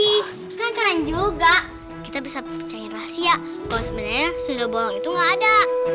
bi kan keren juga kita bisa percayain rahasia kalau sebenarnya sundul bolong itu nggak ada